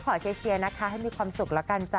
เชียร์นะคะให้มีความสุขแล้วกันจ้